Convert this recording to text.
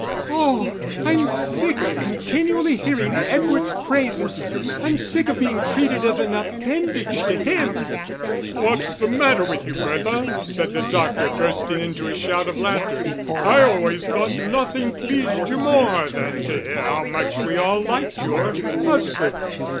"Oh, I'm sick of continually hearing Edward's praises. I'm sick of being treated as an appendage to him." "What's the matter with you, Bertha?" said the doctor, bursting into a shout of laughter. "I always thought nothing pleased you more than to hear how much we all liked your husband."